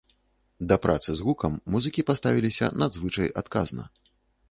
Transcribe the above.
Да працы з гукам музыкі паставіліся надзвычай адказна.